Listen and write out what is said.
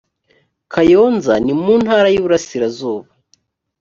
kayonza ni mu ntara y iburasirazuba